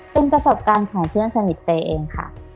เป็นประสบการณ์ของเพื่อนสนิทเฟย์เองค่ะ